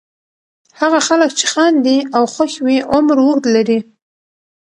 هغه خلک چې خاندي او خوښ وي عمر اوږد لري.